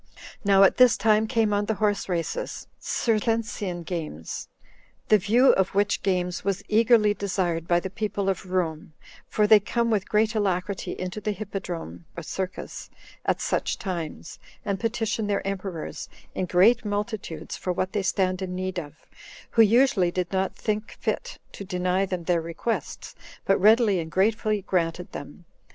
4. Now at this time came on the horse races [Circensian games]; the view of which games was eagerly desired by the people of Rome, for they come with great alacrity into the hippodrome [circus] at such times, and petition their emperors, in great multitudes, for what they stand in need of; who usually did not think fit to deny them their requests, but readily and gratefully granted them.